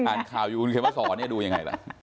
อ่านข่าวอยู่บนเขมรศรเนี่ยดูยังไงละ